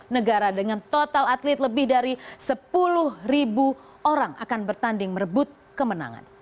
dua ratus tujuh negara dengan total atlet lebih dari sepuluh orang akan bertanding merebut kemenangan